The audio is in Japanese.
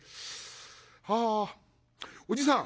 はあおじさん